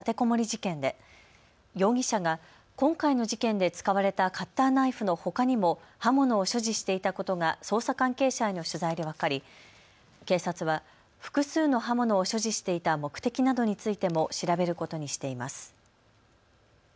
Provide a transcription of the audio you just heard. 埼玉県川越市のインターネットカフェで起きた人質立てこもり事件で容疑者が今回の事件で使われたカッターナイフのほかにも刃物を所持していたことが捜査関係者への取材で分かり警察は複数の刃物を所持していた目的などについても調べることにしています。